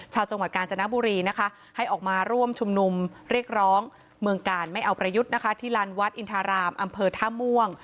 ชาวจังหวัดกาญจนบุรีนะคะให้ออกมาร่วมชุมนุมเรียกร้องเมืองกาลไม่เอาประยุทธ์นะคะที่ลานวัดอินทารามอำเภอท่าม่วง